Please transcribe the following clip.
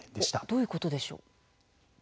どういうことでしょう。